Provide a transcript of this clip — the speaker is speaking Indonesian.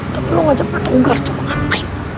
tapi lu ngajak pak togar cuma ngapain